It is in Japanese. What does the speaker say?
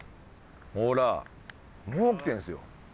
ほらもう来てんすよ？